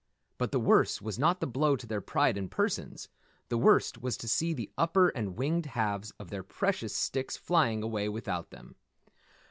But the worst was not the blow to their pride and persons, the worst was to see the upper and winged halves of their precious sticks flying away without them.